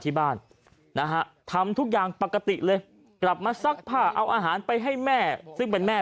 ที่บ้านนะฮะทำทุกอย่างปกติเลยกลับมาซักผ้าเอาอาหารไปให้แม่ซึ่งเป็นแม่